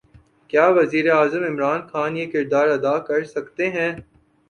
کیا وزیر اعظم عمران خان یہ کردار ادا کر سکتے ہیں؟